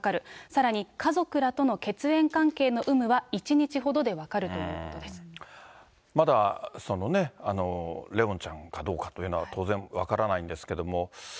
さらに家族らとの血縁関係の有無は１日ほどで分かるということでまだ、そのね、怜音ちゃんかどうかというのは当然、分からないんですけれども。